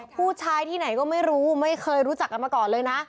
ผู้ชายที่ไหนก็ไม่รู้ไม่เคยรู้จักกันมาก่อนเลยนะ